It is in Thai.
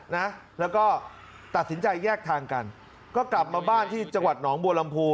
นะแล้วก็ตัดสินใจแยกทางกันก็กลับมาบ้านที่จังหวัดหนองบัวลำพู